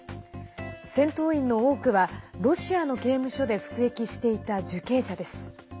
戦闘員の多くはロシアの刑務所で服役していた受刑者です。